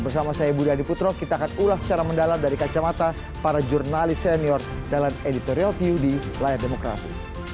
bersama saya budi adiputro kita akan ulas secara mendalam dari kacamata para jurnalis senior dalam editorial view di layar demokrasi